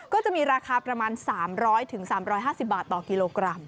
ก็จะมีราคาประมาณ๓๐๐๓๕๐บาทต่อกิโลกรัม